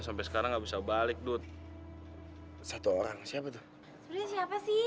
sampai jumpa di video selanjutnya